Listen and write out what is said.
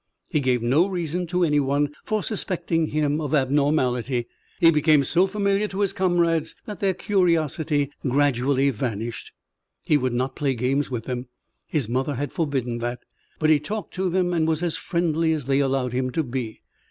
He gave no reason to anyone for suspecting him of abnormality. He became so familiar to his comrades that their curiosity gradually vanished. He would not play games with them his mother had forbidden that. But he talked to them and was as friendly as they allowed him to be.